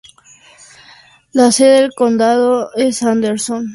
La sede del condado es Anderson.